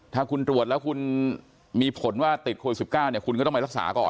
ถ้าคุณตรวจแล้วคุณมีผลว่าติดโควิด๑๙เนี่ยคุณก็ต้องไปรักษาก่อน